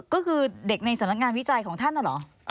ก็คือเด็กในสำนักงานวิจัยของท่านน่ะเหรอ